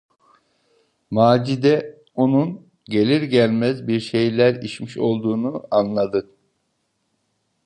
Macide onun gelir gelmez bir şeyler içmiş olduğunu anladı.